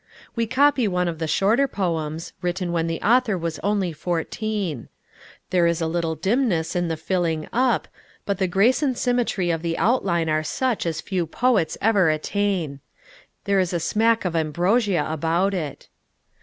_ We copy one of the shorter poems, written when the author was only fourteen. There is a little dimness in the filling up, but the grace and symmetry of the outline are such as few poets ever attain. There is a smack of ambrosia about it.